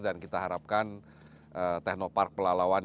dan kita harapkan